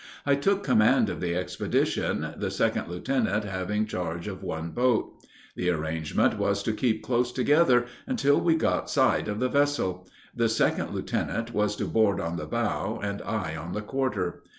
I took command of the expedition, the second lieutenant having charge of one boat. The arrangement was to keep close together, until we got sight of the vessel; the second lieutenant was to board on the bow, and I on the quarter.